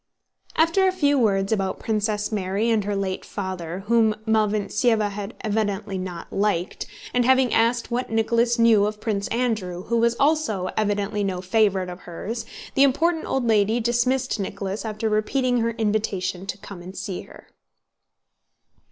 After a few words about Princess Mary and her late father, whom Malvíntseva had evidently not liked, and having asked what Nicholas knew of Prince Andrew, who also was evidently no favorite of hers, the important old lady dismissed Nicholas after repeating her invitation to come to see her.